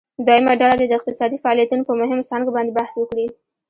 دویمه ډله دې د اقتصادي فعالیتونو په مهمو څانګو باندې بحث وکړي.